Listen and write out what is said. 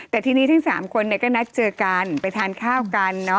แต่ทีนี้ทั้ง๓คนก็นัดเจอกันไปทานข้าวกัน